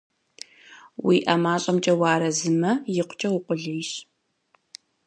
УиӀэ мащӀэмкӀэ уарэзымэ, икъукӀэ укъулейщ.